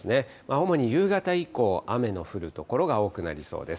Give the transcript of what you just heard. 主に夕方以降、雨の降る所が多くなりそうです。